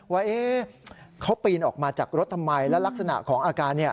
ว่าเขาปีนออกมาจากรถทำไมแล้วลักษณะของอาการเนี่ย